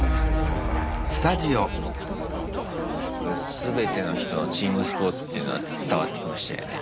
全ての人のチームスポーツっていうのは伝わってきましたよね。